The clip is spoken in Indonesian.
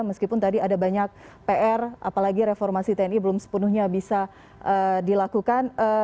meskipun tadi ada banyak pr apalagi reformasi tni belum sepenuhnya bisa dilakukan